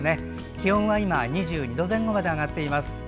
気温は今２２度前後まで上がっています。